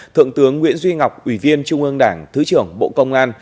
thượng tướng nguyễn duy ngọc ủy viên trung ương đảng thứ trưởng bộ công an